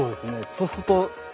そうすると。